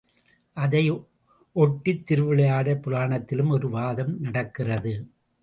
அதை ஒட்டித் திருவிளையாடற் புராணத்திலும் ஒரு வாதம் நடக்கிறது.